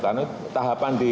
karena tahapan di